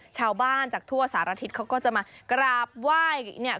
ชาวบ้านจากทั่วสารทิศเขาก็จะมากราบไหว้เนี่ย